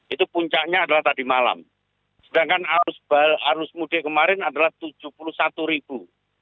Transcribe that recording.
itu puncaknya adalah tadi malam sedangkan arus mudik kemarin adalah tujuh puluh satu ribu